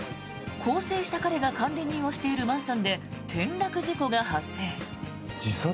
更生した彼が管理人をしているマンションで転落事故が発生。